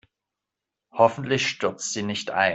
Hoffentlich stürzt sie nicht ein.